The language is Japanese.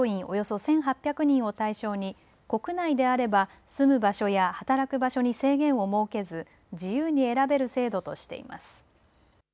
およそ１８００人を対象に国内であれば住む場所や働く場所に制限を設けず自由に選べる制度としています。